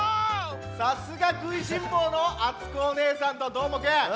さすがくいしんぼうのあつこおねえさんとどーもくん！